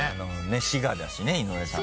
滋賀だしね井上さんも。